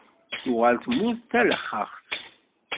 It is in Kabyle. Tuɣal tmurt d talexxaxt.